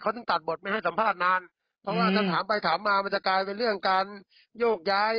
ถึงตัดบทไม่ให้สัมภาษณ์นานเพราะว่าถ้าถามไปถามมามันจะกลายเป็นเรื่องการโยกย้าย